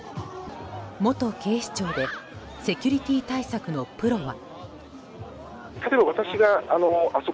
元警視庁でセキュリティー対策のプロは。